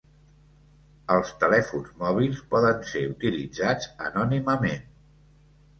Els telèfons mòbils poden ser utilitzats anònimament.